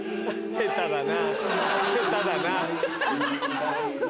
下手だな。